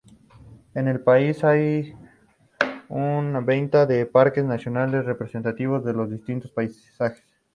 En el país hay un veintena de parques nacionales representativos de los distintos paisajes.